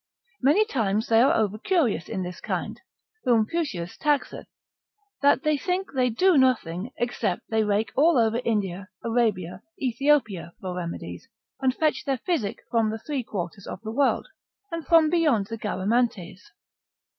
Many times they are over curious in this kind, whom Fuchsius taxeth, Instit. l. 1. sec. 1. cap. 1. that think they do nothing, except they rake all over India, Arabia, Ethiopia for remedies, and fetch their physic from the three quarters of the world, and from beyond the Garamantes.